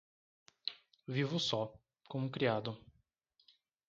Vivo só, com um criado.